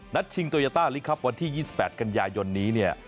ชิงโตยาต้าลิคับวันที่๒๘กันยายนนี้เนี่ย